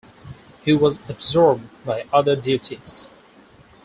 He was absorbed by other duties.